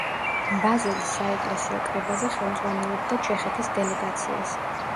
ბაზელის საეკლესიო კრებაზე ხელმძღვანელობდა ჩეხეთის დელეგაციას.